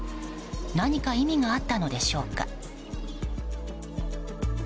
何か意味があったのでしょうか。